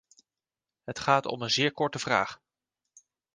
Het gaat om een zeer korte vraag.